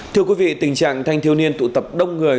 thưa quý vị tình trạng thanh thiếu niên tụ tập đông người